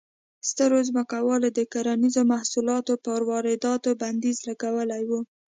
سترو ځمکوالو د کرنیزو محصولاتو پر وارداتو بندیز لګولی و.